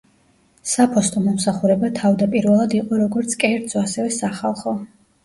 საფოსტო მომსახურება თავდაპირველად იყო როგორც კერძო, ასევე სახალხო.